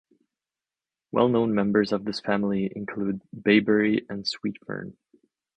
Well-known members of this family include bayberry and sweetfern.